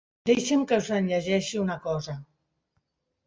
Deixa'm que us en llegeixi una cosa.